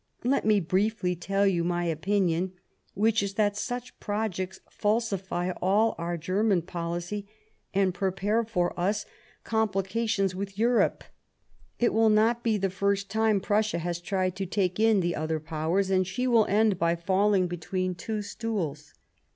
Let me briefly tell you my opinion, which is that such projects falsify all our German policy and prepare for us complica 71 Bismarck tions with Europe. It will not be the first time Prussia has tried to take in the other Powers, and she will end by falling between two stools."